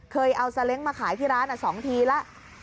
เคยเอาซาเล้งมาขายที่ร้าน๒ทีแล้ว